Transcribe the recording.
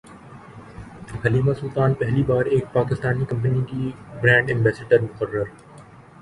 حلیمہ سلطان پہلی بار ایک پاکستانی کمپنی کی برانڈ ایمبیسڈر مقرر